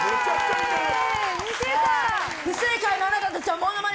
不正解のあなたたちはモノマネ